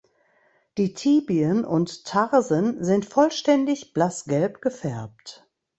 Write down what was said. Die Tibien und Tarsen sind vollständig blassgelb gefärbt.